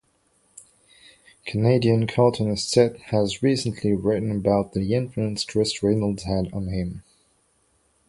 Canadian cartoonist Seth has recently written about the influence Chris Reynolds had on him.